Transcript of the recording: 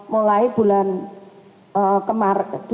mulai bulan kemar